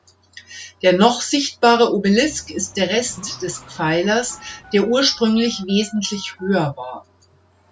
Der noch sichtbare Obelisk ist der Rest des Pfeilers, der ursprünglich wesentlich höher war.